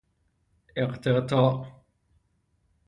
اقتطاع